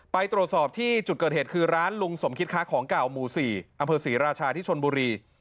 ไปตรวจสอบที่จุดเกิดเหตุคือร้านลุงสมคิดค้าของเก่าหมู่๔อำเภอศรีราชาที่ชนบุรี